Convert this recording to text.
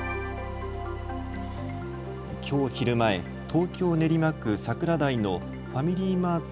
きょう昼前、東京練馬区桜台のファミリーマート